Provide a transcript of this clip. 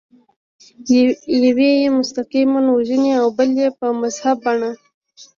یو یې مستقیماً وژني او بل یې په مهذبه بڼه.